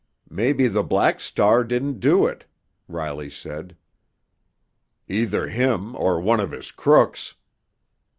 "Maybe the Black Star didn't do it," Riley said. "Either him or one of his crooks!"